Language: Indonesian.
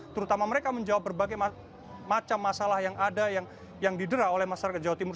terutama mereka menjawab berbagai macam masalah yang ada yang didera oleh masyarakat jawa timur